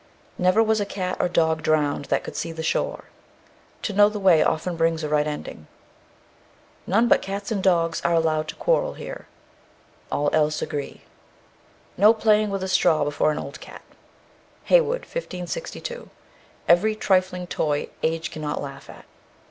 Never was cat or dog drowned that could see the shore. To know the way often brings a right ending. None but cats and dogs are allowed to quarrel here. All else agree. No playing with a straw before an old cat. HEYWOOD, 1562. Every trifling toy age cannot laugh at.